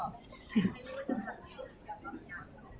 เวลาแรกพี่เห็นแวว